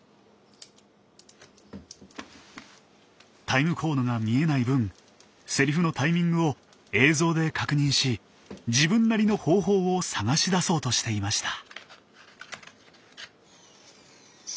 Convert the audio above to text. タイムコードが見えない分セリフのタイミングを映像で確認し自分なりの方法を探し出そうとしていました。